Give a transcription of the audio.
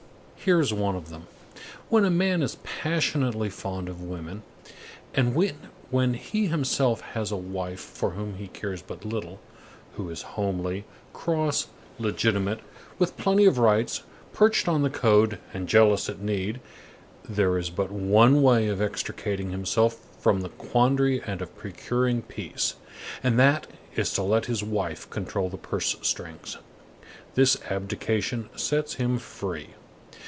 Here is one of them: "When a man is passionately fond of women, and when he has himself a wife for whom he cares but little, who is homely, cross, legitimate, with plenty of rights, perched on the code, and jealous at need, there is but one way of extricating himself from the quandry and of procuring peace, and that is to let his wife control the purse strings. This abdication sets him free.